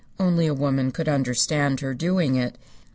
Only a woman could understand her doing it.